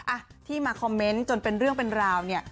อ่ะที่มาคอมเมนต์จนเป็นเรื่องเป็นราวเนี่ย